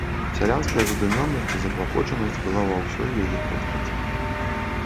Сялянская задумёнасць і заклапочанасць была ва ўсёй яе постаці.